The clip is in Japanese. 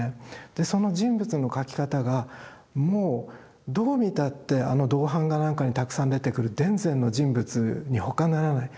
その人物の描き方がもうどう見たってあの銅版画なんかにたくさん出てくる田善の人物に他ならない。